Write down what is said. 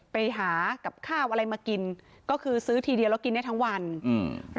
ไปหากับข้าวอะไรมากินก็คือซื้อทีเดียวแล้วกินได้ทั้งวันอืม